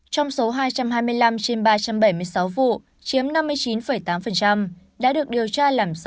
trong số hai trăm hai mươi năm trên ba trăm bảy mươi sáu vụ chiếm năm mươi chín tám đã được điều tra làm rõ